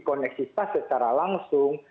koneksitas secara langsung